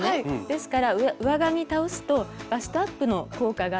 ですから上側に倒すとバストアップの効果があるんです。